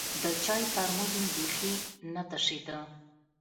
د چايو ترموز مې بيخي نه تشېده.